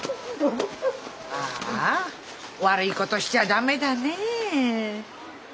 ああ悪い事しちゃ駄目だねえ。